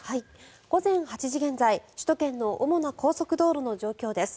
午前８時現在、首都圏の主な高速道路の状況です。